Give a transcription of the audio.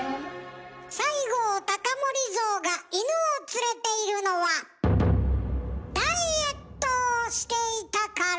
西郷隆盛像が犬を連れているのはダイエットをしていたから。